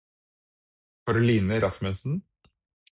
Karoline Rasmussen